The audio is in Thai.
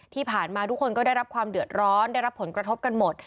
ที่ผ่านมาทุกคนก็ได้รับความเดือดร้อนได้รับผลกระทบกันหมด